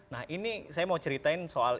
nah ini saya mau ceritain soal